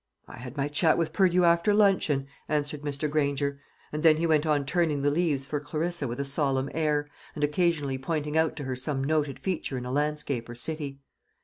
"I had my chat with Purdew after luncheon," answered Mr. Granger; and then he went on turning the leaves for Clarissa with a solemn air, and occasionally pointing out to her some noted feature in a landscape or city.